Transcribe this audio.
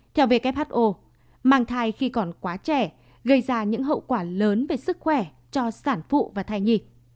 theo who mang thai khi còn quá trẻ gây ra những hậu quả lớn về sức khỏe cho sản phụ và thai nhi